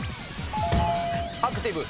アクティブ。